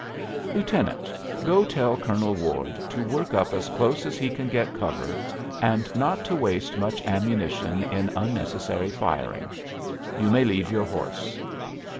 "Lieutenant, go tell Colonel Ward to work up as close as he can get cover, and not to waste much ammunition in unnecessary firing. You may leave your horse."